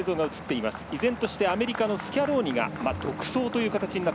依然としてアメリカのスキャローニが独走という形。